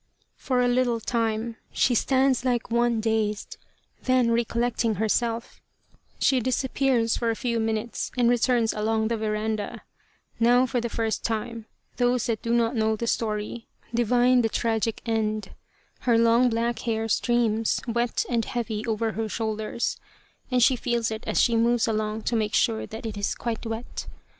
For a little time she stands like one dazed ; then, recollecting herself, she disappears for a few minutes and returns along the veranda. Now, for the first time, those that do not know the story divine the 73 The Tragedy of Kesa Gozen tragic end. Her long black hair streams, wet and heavy, over her shoulders, and she feels it as she moves along to make sure that it is quite wet.